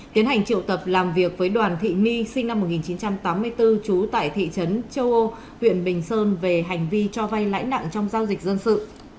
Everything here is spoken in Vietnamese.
tiến hành triệu tập làm việc với đoàn thị my sinh năm một nghìn chín trăm tám mươi bốn trú tại thị trấn châu âu huyện bình sơn về hành vi cho vay lãi nặng trong giao dịch dân sự